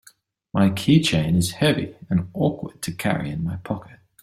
My keychain is heavy and awkward to carry in my pocket.